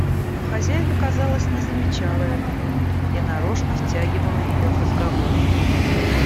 Но хозяйка, казалось, не замечала этого и нарочно втягивала ее в разговор.